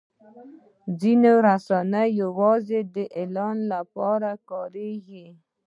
ځینې رسنۍ یوازې د اعلان لپاره کارېږي.